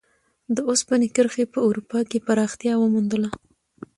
د اوسپنې کرښې په اروپا کې پراختیا وموندله.